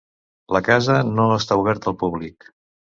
La casa no està oberta al públic.